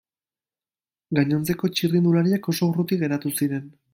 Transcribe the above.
Gainontzeko txirrindulariak oso urruti geratu ziren.